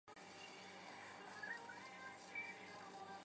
弟为应傃。